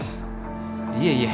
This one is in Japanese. いえいえ。